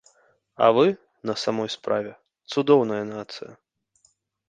А вы, на самой справе, цудоўная нацыя.